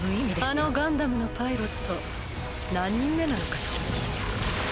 あのガンダムのパイロット何人目なのかしら？